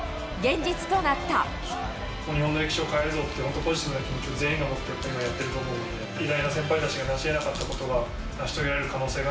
日本の歴史を変えるぞって、本当ポジティブな気持ちを全員が持ってやっていると思うので、偉大な先輩たちが成し得なかったことが成し遂げられる可能性があ